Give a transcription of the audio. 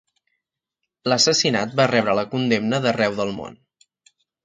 L'assassinat va rebre la condemna d'arreu del món.